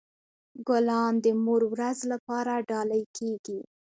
ګلان د مور ورځ لپاره ډالۍ کیږي.